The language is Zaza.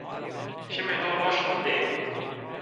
Çimê to roşn bê